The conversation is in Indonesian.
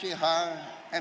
tidak perlu seorang brilian